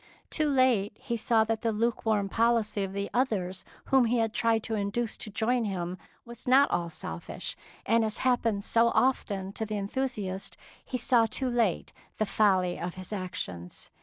Too late he saw that the lukewarm policy of the others whom he had tried to induce to join him was not all selfish, and as happens so often to the enthusiast, he saw too late the folly of his actions.